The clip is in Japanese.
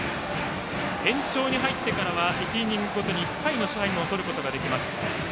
延長に入ってからは１イニングごとに１回のタイムを取ることができます。